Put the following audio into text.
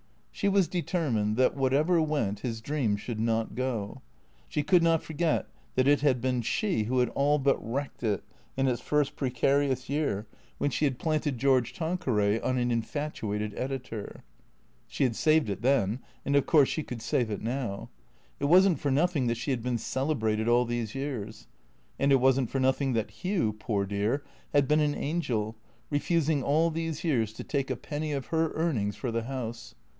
She was determined that, whatever went, his dream should not go. She could not forget that it had been she who had all but wrecked it in its first precarious year when she had planted George Tan queray on an infatuated editor. She had saved it then, and of course she could save it now. It was n't for nothing that she had been celebrated all these years. And it was n't for nothing that Hugh, poor dear, had been an angel, refusing all these years to take a penny of her earnings for the house.